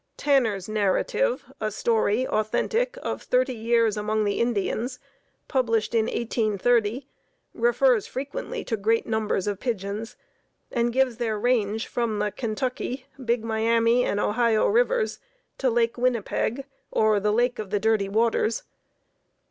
"Tanner's Narrative," a story (authentic) of thirty years among the Indians, published in 1830, refers frequently to great numbers of pigeons, and gives their range from the Kentucky, Big Miami and Ohio Rivers to Lake Winnipeg, or "The Lake of Dirty Waters."